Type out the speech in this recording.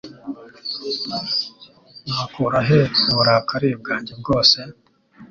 Nakura he uburakari bwanjye bwose?